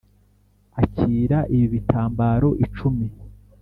Akira ibi bitambaro icumi